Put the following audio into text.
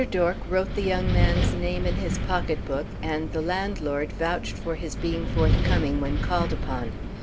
Dork wrote the young man's name in his pocket book, and the landlord vouched for his being forthcoming when called upon.